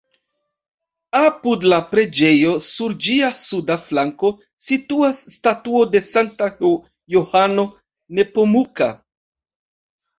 Apud la preĝejo, sur ĝia suda flanko, situas statuo de Sankta Johano Nepomuka.